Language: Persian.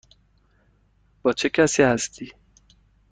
با چه کسی هستی؟